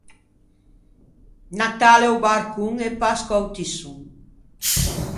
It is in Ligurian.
Natale a-o barcon e Pasqua a-o tisson.